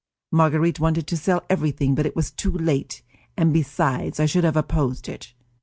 Marguerite wanted to sell everything, but it was too late, and besides I should have opposed it.